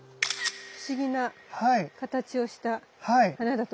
不思議な形をした花だと思いませんか？